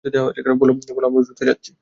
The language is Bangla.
বলো আমরা উঁচুতে যাচ্ছি।